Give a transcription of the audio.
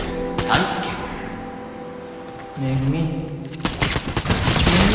めぐみ帰ってくれんね。